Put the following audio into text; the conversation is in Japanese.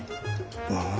ああ。